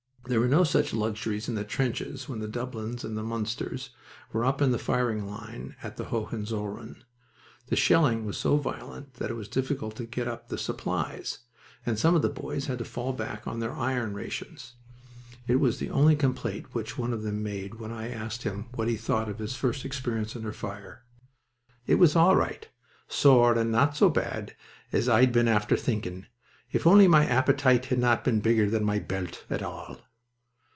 There were no such luxuries in the trenches when the Dublins and the Munsters were up in the firing line at the Hohenzollern. The shelling was so violent that it was difficult to get up the supplies, and some of the boys had to fall back on their iron rations. It was the only complaint which one of them made when I asked him what he thought of his first experience under fire. "It was all right, sorr, and not so bad as I'd been after thinking, if only my appetite had not been bigger than my belt, at all."